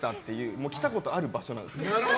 もう来たことある場所なんです。